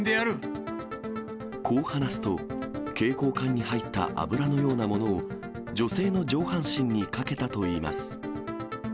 こう話すと、携行缶に入った油のようなものを、女性の上半身にかけたといいます。